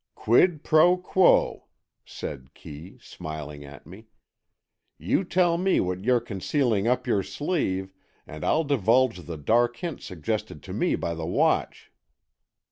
"Quid pro quo," said Kee, smiling at me. "You tell me what you're concealing up your sleeve and I'll divulge the dark hint suggested to me by the watch."